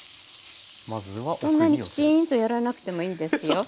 こんなにきちんとやらなくてもいいですよ。